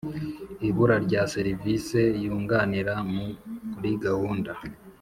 Ibura rya serivise yunganira muri gahunda